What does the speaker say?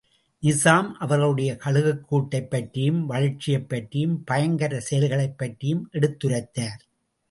நிசாம், அவர்களுடைய கழுகுக்கூட்டைப் பற்றியும், வளர்ச்சியைப் பற்றியும், பயங்கரச் செயல்களைப் பற்றியும் எடுத்துரைத்தார்.